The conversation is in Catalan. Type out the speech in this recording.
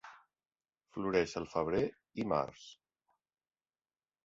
Floreix el febrer i març.